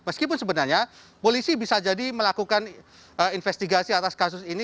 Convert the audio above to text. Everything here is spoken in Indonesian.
meskipun sebenarnya polisi bisa jadi melakukan investigasi atas kasus ini